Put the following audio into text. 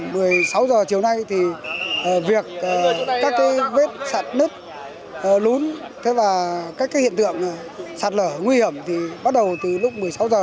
một mươi sáu h chiều nay thì việc các cái vết sạt nứt lún thế và các cái hiện tượng sạt lở nguy hiểm thì bắt đầu từ lúc một mươi sáu h